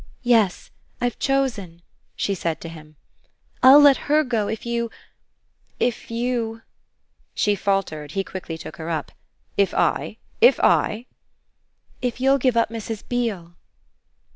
"Yes, I've chosen," she said to him. "I'll let her go if you if you " She faltered; he quickly took her up. "If I, if I " "If you'll give up Mrs. Beale."